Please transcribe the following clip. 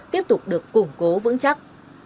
tiếp tục được củng cố vững chắc